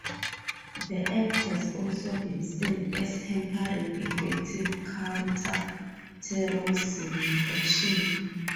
The Act has also been seen as hampering effective counter-terrorism action.